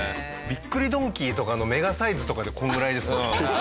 びっくりドンキーとかのメガサイズとかでこのぐらいですもんね。